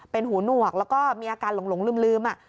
เป็นหูหนวกแล้วก็มีอาการหลงลืม